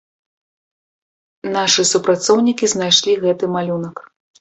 Нашы супрацоўнікі знайшлі гэты малюнак.